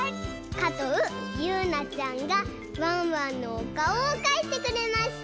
かとうゆうなちゃんがワンワンのおかおをかいてくれました。